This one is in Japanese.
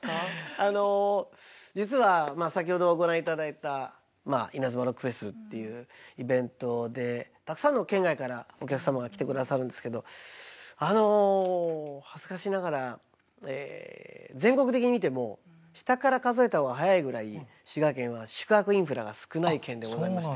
あの実は先ほどご覧いただいたイナズマロックフェスっていうイベントでたくさんの県外からお客様が来てくださるんですけど恥ずかしながら全国的に見ても下から数えた方が早いぐらい滋賀県は宿泊インフラが少ない県でございまして。